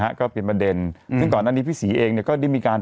ถูกต้องถูกต้องถูกต้องถูกต้องถูกต้องถูกต้อง